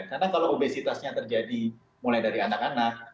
karena kalau obesitasnya terjadi mulai dari anak anak